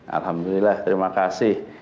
alhamdulillah terima kasih